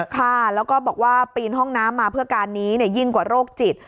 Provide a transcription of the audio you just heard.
ค่ะแล้วก็บอกว่าปีนห้องน้ำมาเพื่อการนี้ยิ่งกว่าโรคจิต